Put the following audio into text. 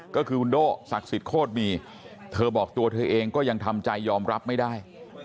ก็คือคุณโด่ศักดิ์สิทธิโคตรมีเธอบอกตัวเธอเองก็ยังทำใจยอมรับไม่ได้